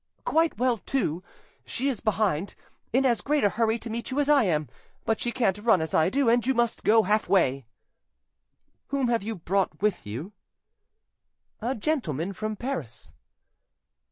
"Quite well too. She is behind, in as great a hurry to meet you as I am. But she can't run as I do, and you must go half way." "Whom have you brought with you?" "A gentleman from Paris."